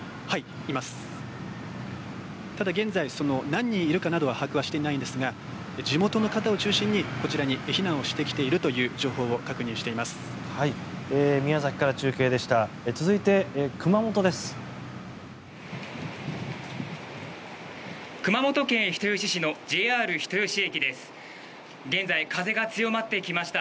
ただ、現在何人いるかなどは把握していないんですが地元の方を中心に、こちらに避難をしてきているという情報を確認しています。